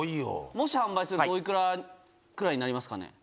もし販売するとお幾らくらいになりますかね？